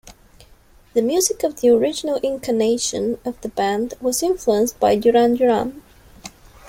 The music of the original incarnation of the band was influenced by Duran Duran.